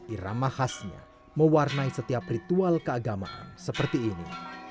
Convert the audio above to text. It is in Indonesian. irama khasnya mewarnai setiap ritual keagamaan seperti ini